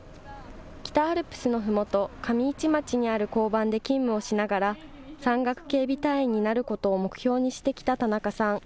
北アルプスのふもと、上市町にある交番で勤務をしながら、山岳警備隊員になることを目標にしてきた田中さん。